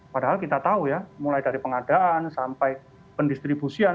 padahal kita tahu ya mulai dari pengadaan sampai pendistribusian